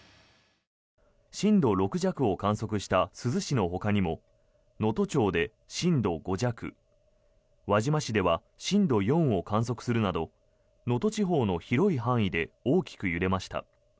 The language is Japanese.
震度６弱を観測した珠洲市のほかにも能登町で震度５弱輪島市では震度４を観測するなど能登地方の広い範囲で大きく揺れました。